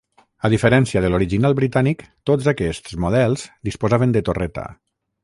A diferència de l'original britànic, tots aquests models disposaven de torreta.